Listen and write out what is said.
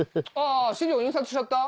あ資料印刷しちゃった？